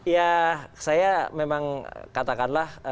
ya saya memang katakanlah